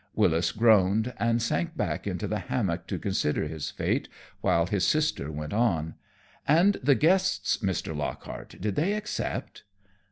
Wyllis groaned and sank back into the hammock to consider his fate, while his sister went on. "And the guests, Mr. Lockhart, did they accept?"